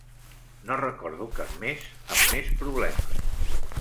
No recordo cap més amb més problemes.